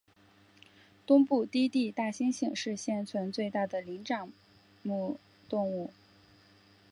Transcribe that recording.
东部低地大猩猩是现存最大的灵长目动物。